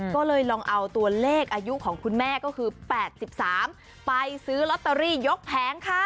ก็เลยลองเอาตัวเลขอายุของคุณแม่ก็คือ๘๓ไปซื้อลอตเตอรี่ยกแผงค่ะ